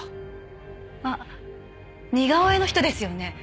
あっ似顔絵の人ですよね。